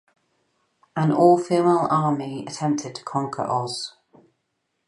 An all female army attempted to conquer Oz.